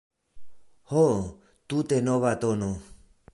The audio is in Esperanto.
Ho, tute nova tono!